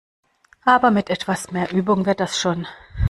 Aber mit etwas mehr Übung wird das schon!